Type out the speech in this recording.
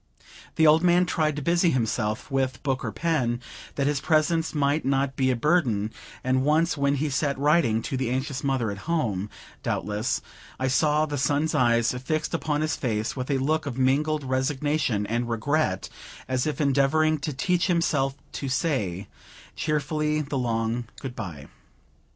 The old man tried to busy himself with book or pen, that his presence might not be a burden; and once, when he sat writing, to the anxious mother at home, doubtless, I saw the son's eyes fix upon his face, with a look of mingled resignation and regret, as if endeavoring to teach himself to say cheerfully the long good bye.